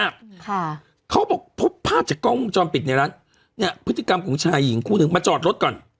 ค่ะเขาบอกพบภาพจากกล้องวงจรปิดในร้านเนี้ยพฤติกรรมของชายหญิงคู่หนึ่งมาจอดรถก่อน